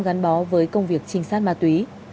gắn bó với công việc trinh sát ma túy